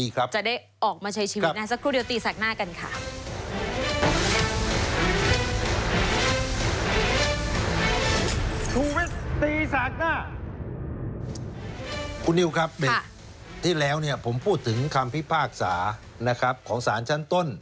คุณนิวครับเบรกที่แล้วผมพูดถึงคำพิพากษาของสารชั้นต้น